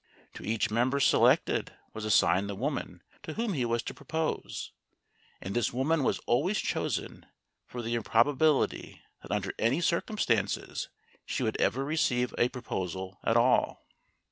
To each member selected was assigned the woman to whom he was to propose, and this woman was always chosen for the improbability that under any other circumstances she would ever receive a proposal at all.